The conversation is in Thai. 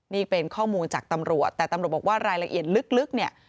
นี่เป็นข้อมูลจากตำรวจแต่ตำรวจบอกว่ารายละเอียดลึกเนี่ย